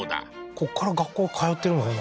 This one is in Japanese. こっから学校通ってるのかな？